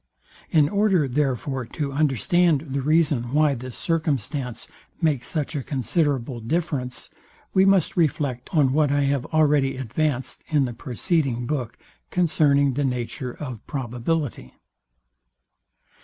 In order, therefore, to understand the reason why this circumstance makes such a considerable difference, we must reflect on what I have already advanced in the preceding book concerning the nature of probability.